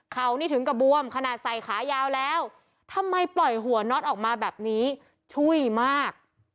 เขานี่ถึงกระบวมขนาดใส่ขายาวแล้วทำไมปล่อยหัวน็อตออกมาแบบนี้ช่วยมาก